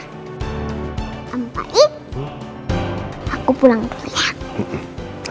sampai aku pulang dulu ya